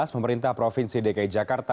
pemerintah provinsi dki jakarta